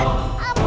gak ada apa apa